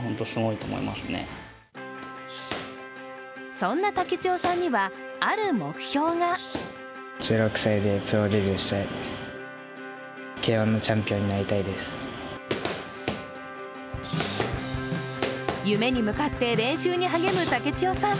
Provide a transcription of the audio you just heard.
そんな武智代さんにはある目標が夢に向かって、練習に励む武智代さん。